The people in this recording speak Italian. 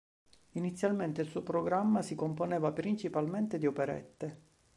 Inizialmente, il suo programma si componeva principalmente di operette.